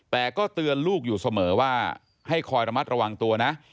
แต่ก็เตือนลูกอยู่เสมอว่าให้คอยระมัดระวังตัวนะ